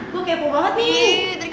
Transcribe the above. gue kepo banget nih